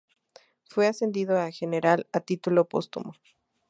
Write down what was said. Fue ascendido a general a título póstumo.